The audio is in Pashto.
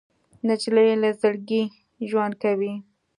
نجلۍ له زړګي ژوند کوي.